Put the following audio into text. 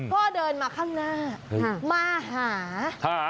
ก็เดินมาข้างหน้ามาหา